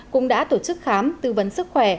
cũng đã tổ chức khám tư vấn sức khỏe